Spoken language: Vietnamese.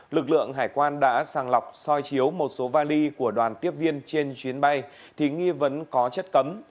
lực lượng hải quan đã sàng lọc soi chiếu một số vali của đoàn tiếp viên trên chuyến bay thì nghi vấn có chất cấm